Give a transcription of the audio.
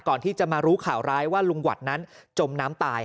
ก่อนที่จะมารู้ข่าวร้ายว่าลุงหวัดนั้นจมน้ำตาย